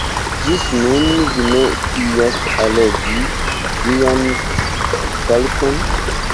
Ĝis nun vi ne scias allogi vian falkon?